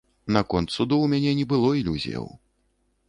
Наконт суду ў мяне не было ілюзіяў.